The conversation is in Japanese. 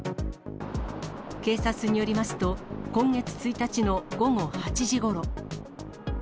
警察によりますと、今月１日の午後８時ごろ。